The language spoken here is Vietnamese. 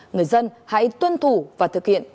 người dân hãy tuân thủ và thực hiện